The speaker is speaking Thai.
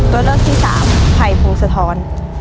ตัวเลือกที่สามภัยพงศธร